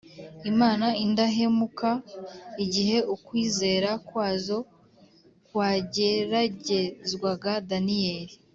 Imana indahemuka igihe ukwizera kwazo kwageragezwaga daniyeli